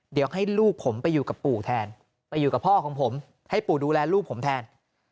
เดี๋ยวให้ลูกผมไปอยู่กับปู่แทนไปอยู่กับพ่อของผมให้ปู่ดูแลลูกผมแทน